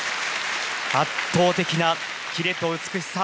圧倒的なキレと美しさ。